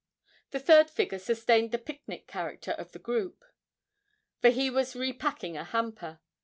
The third figure sustained the picnic character of the group, for he was repacking a hamper.